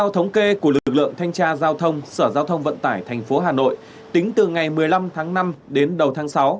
thanh tra giao thông sở giao thông vận tải thành phố hà nội tính từ ngày một mươi năm tháng năm đến đầu tháng sáu